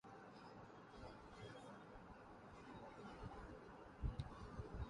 Xu worked with several prominent developmental and cognitive psychologists early in her career.